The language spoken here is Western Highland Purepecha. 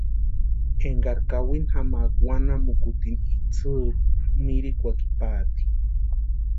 Énkari kawini jamaaka wanamukutini itsirhu mirinkwakini paati.